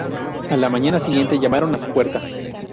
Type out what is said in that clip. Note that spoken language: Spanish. A la mañana siguiente llamaron a su puerta.